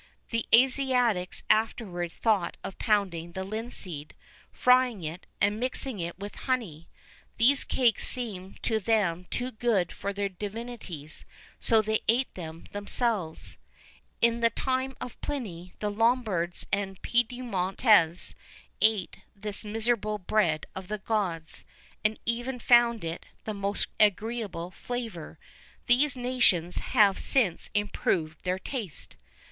The Asiatics afterwards thought of pounding the linseed, frying it, and mixing it with honey; these cakes seemed to them too good for their divinities, so they ate them themselves.[VI 16] In the time of Pliny, the Lombards and Piedmontese ate this miserable bread of the gods, and even found in it a most agreeable flavour:[VI 17] these nations have since improved their taste.